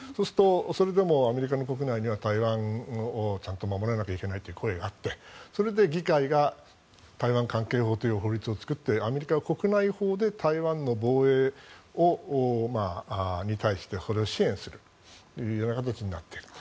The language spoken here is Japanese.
それでもアメリカ国内には台湾をちゃんと守らなければいけないという声があってそれで議会が台湾関係法という法律を作ってアメリカは国内法で台湾の防衛をに対してそれを支援するという形になっていると。